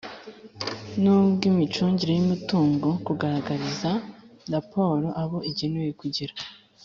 n'ubw'imicungire y'umutungo, kugaragariza raporo abo igenewe, kugira